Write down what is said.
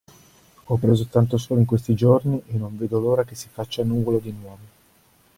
Ho preso tanto sole in questi giorni e non vedo l'ora che si faccia nuovolo di nuovo!